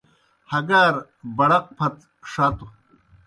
ہگار بڑق پھت ݜتوْ۔